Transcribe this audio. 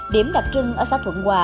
điểm đặc trưng ở xã thuận hòa